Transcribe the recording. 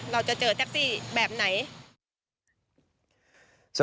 เราจะเจอแท็กซี่แบบไหน